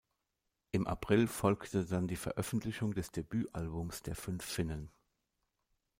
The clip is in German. Im April folgte dann die Veröffentlichung des Debütalbums der fünf Finnen.